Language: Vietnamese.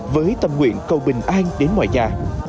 với tâm nguyện cầu bình an đến ngoài nhà